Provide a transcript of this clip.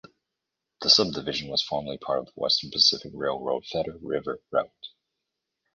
The subdivision was formerly part of the Western Pacific Railroad Feather River Route.